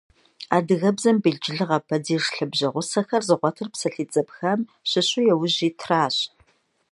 Адыгэбзэм белджылыгъэ падеж лъабжьэгъусэхэр зыгъуэтыр псалъитӏ зэпхам щыщу яужь итращ.